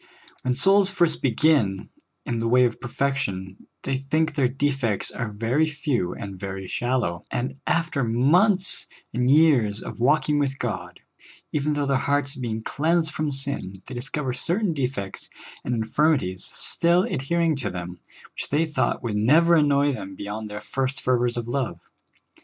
When souls first begin in the way of perfection, they think their defects are very few and very shallow ; and after months and years of walking with God, even though their hearts have been cleansed from sin, they discover certain defects and infirmities still adhering to them, which they thought would never annoy them be yond their first fervors of love.